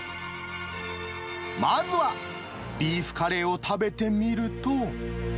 まずは、ビーフカレーを食べてみると。